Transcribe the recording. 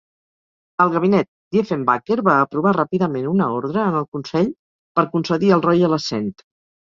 El gabinet Diefenbaker va aprovar ràpidament una ordre en el Consell per concedir el Royal Assent.